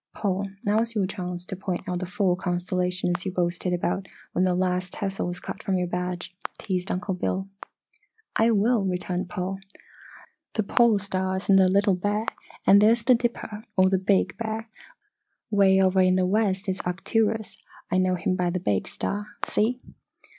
"Paul, now's your chance to point out the four constellations you boasted about when that last tassel was cut from your badge," teased Uncle Bill. "I will," returned Paul. "The Pole Star's in the Little Bear, and there's the Dipper, or Big Bear. Way over in the west is Arcturus I know him by the big star, see?